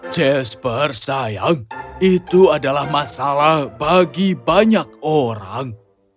jasper sayang itu adalah masalah bagi banyak orang